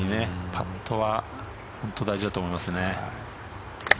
パットは大事だと思いますね。